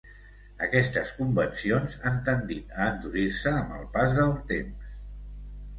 Aquestes convencions han tendit a endurir-se amb el pas el temps.